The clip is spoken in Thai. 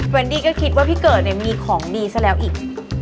วันดี้ก็คิดว่าพี่เกิดเนี่ยมีของดีซะแล้วอีก